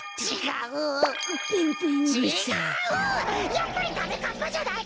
やっぱりダメかっぱじゃないか！